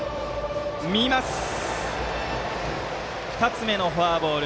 見て、２つ目のフォアボール。